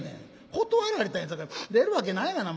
断られたんやさかい出るわけないがな。